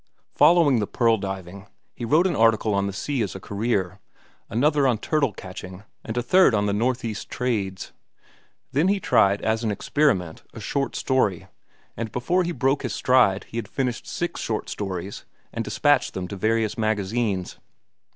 Following the "Pearl diving," he wrote an article on the sea as a career, another on turtle catching, and a third on the northeast trades. Then he tried, as an experiment, a short story, and before he broke his stride he had finished six short stories and despatched them to various magazines.